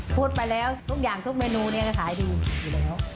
พูดมาแล้วทุกอย่างทุกเมนูเนี่ยจะขายดีอยู่แล้ว